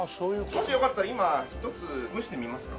もしよかったら今１つ蒸してみますか？